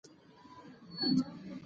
وهل ټکول ماشوم ویره پیدا کوي.